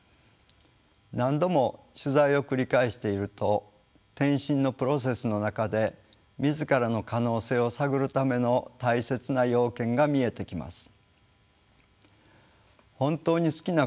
何度も取材を繰り返していると転身のプロセスの中で自らの可能性を探るための大切な要件が見えてきます。